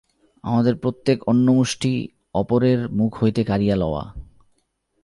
আমাদের প্রত্যেক অন্নমুষ্টি অপরের মুখ হইতে কাড়িয়া লওয়া।